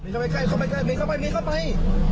เข้าไปเม้เข้าไปเม้เข้าไป